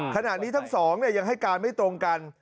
ขณะนี้ทั้งสองยังให้การไม่ตรงกัน